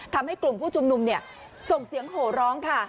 ทำให้กลุ่มผู้ชุมนุมส่งเสียงโหร้องค่ะ